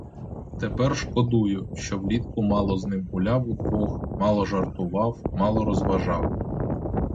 Тепер шкодую, що влітку мало з ним гуляв удвох, мало жартував, мало розважав.